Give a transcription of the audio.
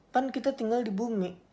kan kita tinggal di bumi